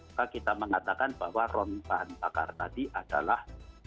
maka kita mengatakan bahwa ron bahan bakar tadi adalah